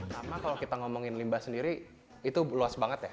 karena kalau kita ngomongin limbah sendiri itu luas banget ya